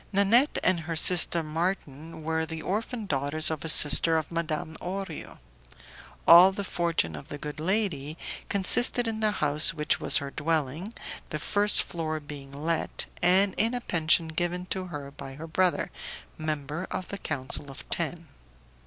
Nanette and her sister Marton were the orphan daughters of a sister of Madame Orio. All the fortune of the good lady consisted in the house which was her dwelling, the first floor being let, and in a pension given to her by her brother, member of the council of ten.